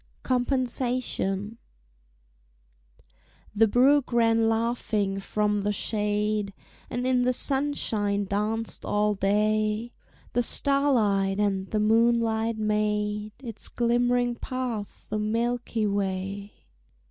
COMPENSATION The brook ran laughing from the shade, And in the sunshine danced all day: The starlight and the moonlight made Its glimmering path a Milky Way.